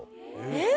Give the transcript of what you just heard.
えっ？